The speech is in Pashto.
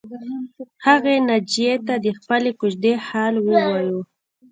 هغې ناجیې ته د خپلې کوژدې حال ووایه